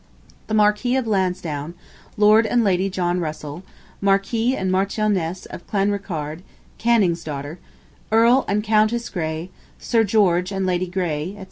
The Marquis of Lansdowne, Lord and Lady John Russell, Marquis and Marchioness of Clanricarde (Canning's daughter), Earl and Countess Grey, Sir George and Lady Grey, etc.